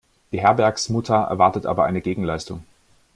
Die Herbergsmutter erwartet aber eine Gegenleistung.